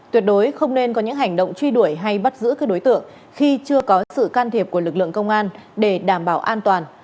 tuyệt đối không nên có những hành động truy đuổi hay bắt giữ các đối tượng khi chưa có sự can thiệp của lực lượng công an để đảm bảo an toàn